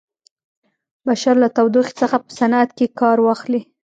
بشر له تودوخې څخه په صنعت کې کار واخلي.